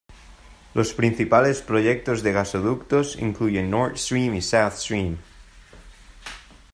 Los principales proyectos de gasoductos incluyen Nord Stream y South Stream.